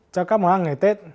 cho các món ăn ngày tết